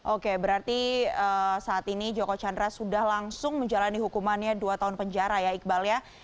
oke berarti saat ini joko chandra sudah langsung menjalani hukumannya dua tahun penjara ya iqbal ya